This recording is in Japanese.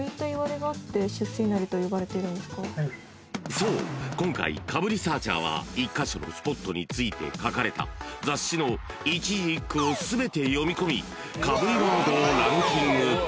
［そう今回かぶリサーチャーは１カ所のスポットについて書かれた雑誌の一字一句を全て読み込みかぶりワードをランキング化］